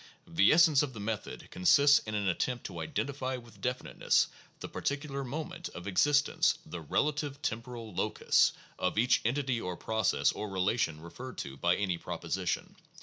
The essence of the method consists in an attempt to identify with definiteness the particular moment of existence, the relative temporal locus, of each entity or process or relation referred to by any proposition.